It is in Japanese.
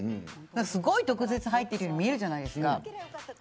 すごい毒舌、はいてるように見えるじゃないですか。